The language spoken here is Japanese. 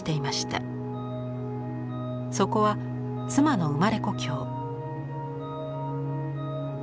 そこは妻の生まれ故郷。